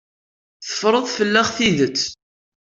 Teffreḍ fell-aɣ tidet.